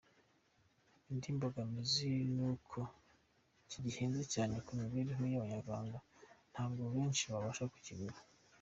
Indi mbogamizi ni uko kigihenze cyane ku mibereho y’Abanyarwanda, ntabwo benshi babasha kukigura.